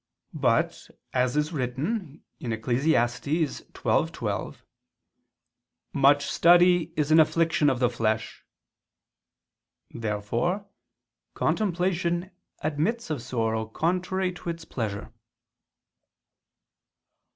But, as it is written (Eccles. 12:12) "much study is an affliction of the flesh." Therefore contemplation admits of sorrow contrary to its pleasure.